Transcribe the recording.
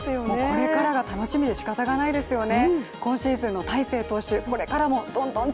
これからが楽しみでしかたがないですよね。